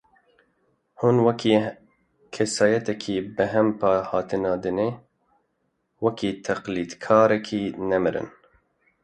Hûn wekî kesayetekî bêhempa hatine dinê, wekî teqlîdkarekî nemirin.